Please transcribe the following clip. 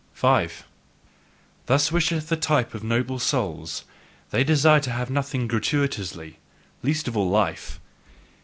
5. Thus wisheth the type of noble souls: they desire to have nothing GRATUITOUSLY, least of all, life.